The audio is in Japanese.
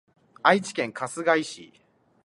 愛知県春日井市